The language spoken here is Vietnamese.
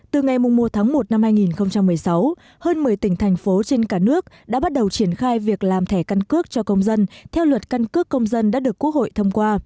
từ ngày một tháng một năm hai nghìn một mươi sáu hơn một mươi tỉnh thành phố trên cả nước đã bắt đầu triển khai việc làm thẻ căn cước cho công dân theo luật căn cước công dân đã được quốc hội thông qua